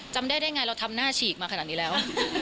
จำได้ได้ไงเราทำหน้าฉีกมาขนาดนี้แล้ว